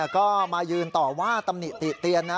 ก็มายืนต่อว่าตำหนิติเตียนนะ